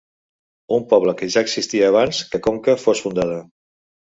Un poble que ja existia abans que Conca fos fundada.